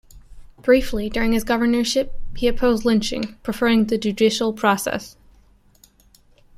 Briefly during his governorship he opposed lynching, preferring the judicial process.